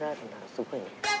すごいね。